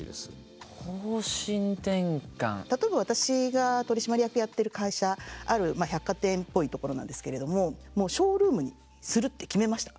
例えば私が取締役やってる会社ある百貨店っぽいところなんですけれどもショールームにするって決めました。